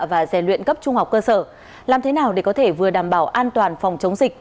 và dè luyện cấp trung học cơ sở làm thế nào để có thể vừa đảm bảo an toàn phòng chống dịch